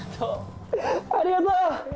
ありがとう！